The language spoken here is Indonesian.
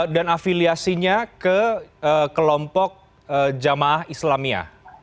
dan afiliasinya ke kelompok jemaah islamia